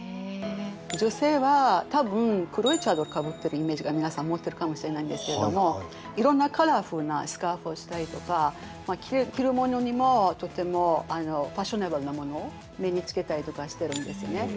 女性は多分黒いチャドルかぶってるイメージが皆さん持ってるかもしれないんですけれどもいろんなカラフルなスカーフをしたりとか着るものにもとてもファッショナブルなものを身につけたりとかしてるんですよね。